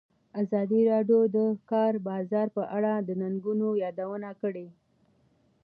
ازادي راډیو د د کار بازار په اړه د ننګونو یادونه کړې.